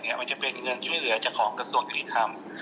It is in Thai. มันจะเป็นเงินช่วยเหลือจากของกระทรวงยุติธรรม